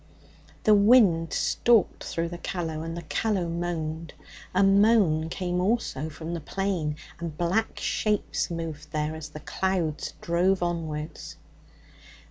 The wind stalked through the Callow, and the Callow moaned. A moan came also from the plain, and black shapes moved there as the clouds drove onwards.